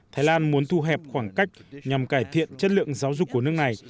thái lan muốn thu hẹp khoảng cách nhằm cải thiện chất lượng giáo dục của nước này